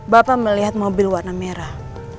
bapak melihat mobil warna merah